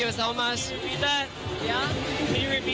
ที่สนชนะสงครามเปิดเพิ่ม